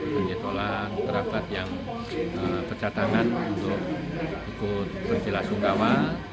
hanya tolak rapat yang tercatatkan untuk ikut perjelasan gawal